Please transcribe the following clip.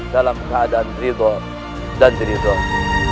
dalam keadaan ridor dan diridor